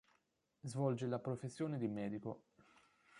Svolge la professione di medico.